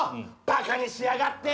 バカにしやがって！